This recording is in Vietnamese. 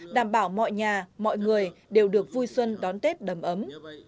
đảm bảo mọi nhà mọi người đều được vui xuân đón tết đầm ấm